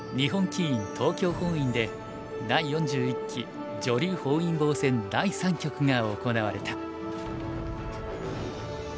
東京本院で第４１期女流本因坊戦第三局が行われた。